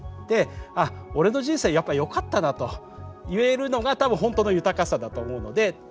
であ俺の人生はやっぱりよかったなと言えるのが多分本当の豊かさだと思うので。